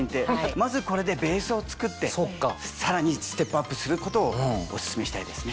まずこれでベースをつくってさらにステップアップすることをオススメしたいですね。